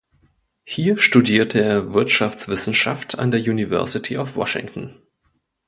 Hier studierte er Wirtschaftswissenschaft an der University of Washington.